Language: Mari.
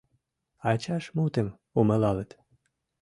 Ачашт мутым умылалыт...